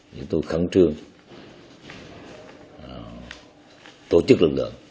thì tôi khẳng trương tổ chức lực lượng